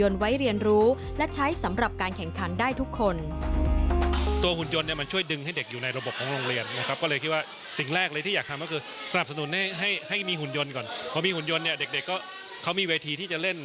สนุนให้มีหุ่นยนต์ก่อนพอมีหุ่นยนต์เด็กเขามีวัยทีที่จะเล่น